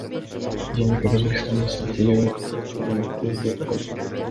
Жээнбеков Өзбекстанды стратегиялык өнөктөш деп атады